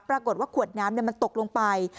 ปรากฏว่าขวดน้ำมันตกลงไป